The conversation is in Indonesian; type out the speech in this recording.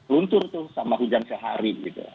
luntur sama hujan sehari